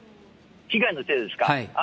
被害の程度ですか。